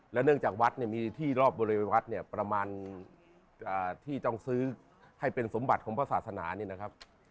และเนื่องจากวัดมีที่รอบบริวัตน์ประมาณที่ต้องซื้อให้เป็นสมบัติของพระศาสนานี่นะครับ